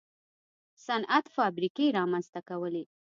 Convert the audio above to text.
صنعت فابریکې رامنځته کولې.